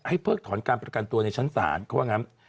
เพิกถอนการประกันตัวในชั้นศาลเขาว่างั้น